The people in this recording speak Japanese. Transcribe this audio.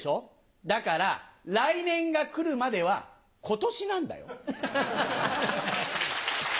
だから来年が来るまでは今年なんだよ。